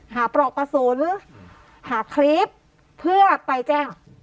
หาปรกประสูรหาคลิปเพื่อไปแจ้ง